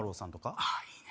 あぁいいね。